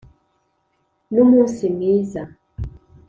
numunsi mwiza.